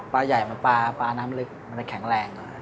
ปลาใหญ่มันปลาน้ำลึกมันจะแข็งแรง